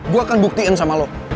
gue akan buktiin sama lo